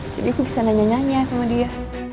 jadi aku bisa nanya nyanya sama dia